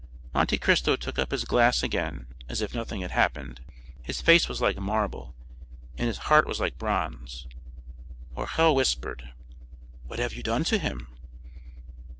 Monte Cristo took up his glass again as if nothing had happened; his face was like marble, and his heart was like bronze. Morrel whispered, "What have you done to him?"